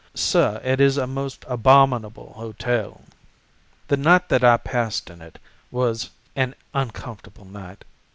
Sir, it is a most abominable hotel. "The night that I passed in it was an uncomfortable night.